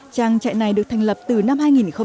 trang trại này được thành lập từ năm hai nghìn một mươi